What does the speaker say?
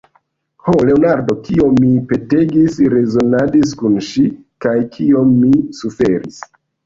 Ho, Leonardo, kiom mi petegis, rezonadis kun ŝi, kaj kiom mi suferis!